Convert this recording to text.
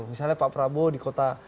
misalnya pak prabowo di kota